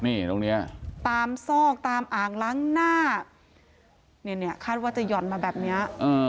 นี่ตรงเนี้ยตามซอกตามอ่างล้างหน้าเนี่ยคาดว่าจะหย่อนมาแบบเนี้ย